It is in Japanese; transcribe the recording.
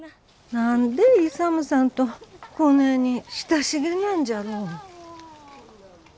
何で勇さんとこねえに親しげなんじゃろう。